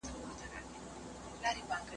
د غازیانو له شامته هدیرې دي چي ډکیږی